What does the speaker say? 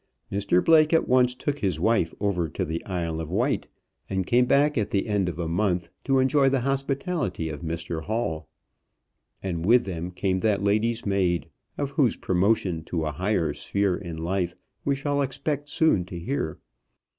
Mr Blake at once took his wife over to the Isle of Wight, and came back at the end of a month to enjoy the hospitality of Mr Hall. And with them came that lady's maid, of whose promotion to a higher sphere in life we shall expect soon to hear.